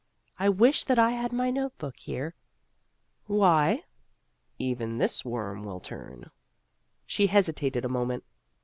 " I wish that I had my note book here." " Why ?" (Even this worm will turn.) She hesitated a moment.